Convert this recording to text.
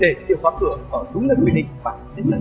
để chịu khóa cửa ở đúng lần quy định bạn tính lần